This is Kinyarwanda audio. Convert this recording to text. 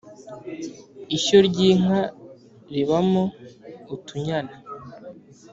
ishyo ry inka ribamo utunyana